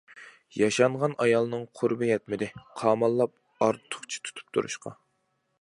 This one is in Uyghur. ياشانغان ئايالنىڭ قۇربى يەتمىدى، قاماللاپ ئارتۇقچە تۇتۇپ تۇرۇشقا.